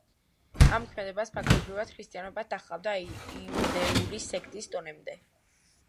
ამ ქმედებას ფაქტობრივად ქრისტიანობა დაჰყავდა იუდეური სექტის დონემდე.